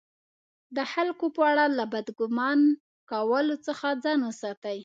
د خلکو په اړه له بد ګمان کولو څخه ځان وساتئ!